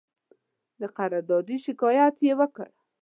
د قراردادي شکایت یې وکړ.